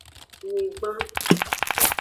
Nyigban.